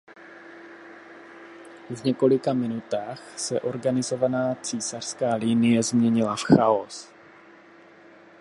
V několika minutách se organizovaná císařská linie změnila v chaos.